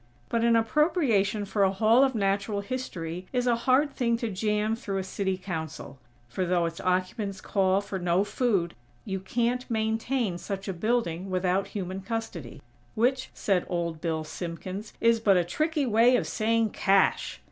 But an appropriation for a Hall of Natural History is a hard thing to jam through a City Council; for though its occupants call for no food, you can't maintain such a building without human custody; "which," said Old Bill Simpkins, "is but a tricky way of saying CASH!!"